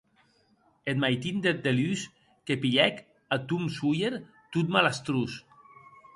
Eth maitin deth deluns que pilhèc a Tom Sawyer tot malastrós.